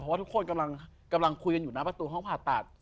เพราะว่าทุกคนกำลังคุยกันอยู่หน้าประตูห้องผ่าตัด